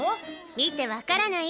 見てわからない？